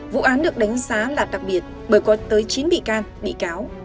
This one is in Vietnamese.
vụ án được đánh giá là đặc biệt bởi có tới chín bị can bị cáo